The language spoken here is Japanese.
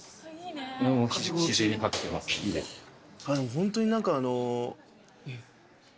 ホントに何かあの。